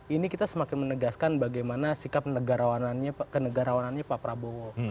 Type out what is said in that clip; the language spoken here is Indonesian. ini kita semakin menegaskan bagaimana sikap kenegarawanannya pak prabowo